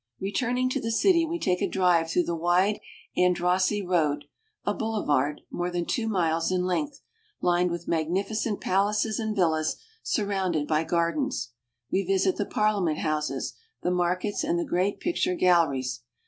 Returning to the city, we take a drive through the wide Andrassy Road, a boulevard more than two miles in length, lined with magnificent pal aces and villas, surrounded by gardens. We visit the Parliament Houses, the mar kets, and the great picture galleries.